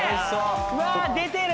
うわあ！出てる。